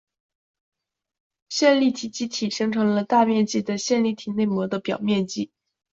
线粒体嵴的形成增大了线粒体内膜的表面积。